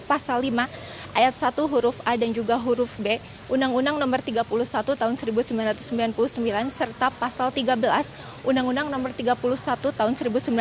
pasal lima ayat satu huruf a dan juga huruf b undang undang no tiga puluh satu tahun seribu sembilan ratus sembilan puluh sembilan serta pasal tiga belas undang undang nomor tiga puluh satu tahun seribu sembilan ratus sembilan puluh